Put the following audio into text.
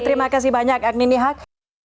terima kasih banyak agni nihak